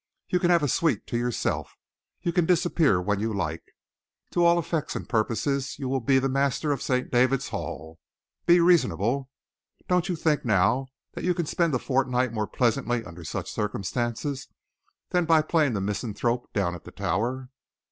You can have a suite to yourself. You can disappear when you like. To all effects and purposes you will be the master of St. David's Hall. Be reasonable. Don't you think, now, that you can spend a fortnight more pleasantly under such circumstances than by playing the misanthrope down at the Tower?"